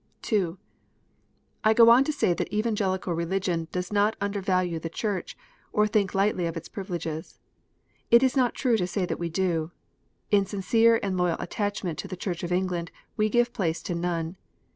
(2) I go on to say that Evangelical Religion does not under value the CJmrch, or think lightly of its privileges. It is not true to say that we do. In sincere and loyal attachment to the Church of England we give place to none.